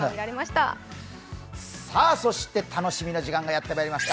楽しみな時間がやってまいりました。